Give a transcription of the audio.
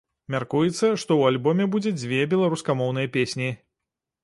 Мяркуецца, што ў альбоме будзе дзве беларускамоўныя песні.